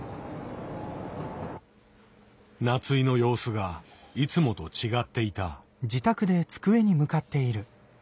夏井の様子がいつもと違っていた。